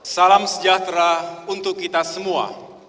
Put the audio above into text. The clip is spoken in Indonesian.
salam sejahtera untuk kita semua